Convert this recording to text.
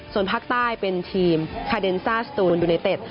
ส่วนภาคใต้เป็นทีมคาเดนซ่าสตูนยูไนเต็ด